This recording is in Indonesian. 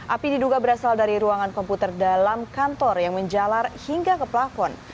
api diduga berasal dari ruangan komputer dalam kantor yang menjalar hingga ke plafon